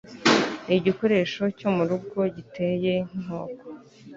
ni igikoresho cyo mu rugo giteye nk'inkoko